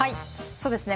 そうですね